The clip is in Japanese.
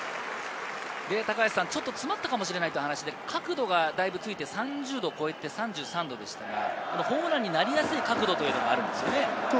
ちょっと詰まったかもしれないという話で、角度がだいぶついて、３０度を超えて３３度でしたが、ホームランになりやすい角度はあるんですよね。